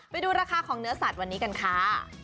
ไปดูราคาของเนื้อสัตว์วันนี้กันค่ะ